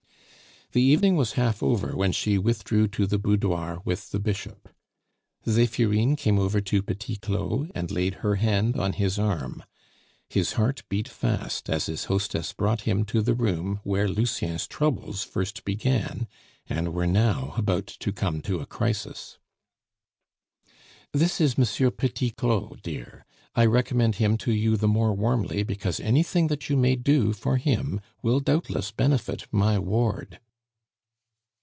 The evening was half over when she withdrew to the boudoir with the Bishop. Zephirine came over to Petit Claud, and laid her hand on his arm. His heart beat fast as his hostess brought him to the room where Lucien's troubles first began, and were now about to come to a crisis. "This is M. Petit Claud, dear; I recommend him to you the more warmly because anything that you may do for him will doubtless benefit my ward."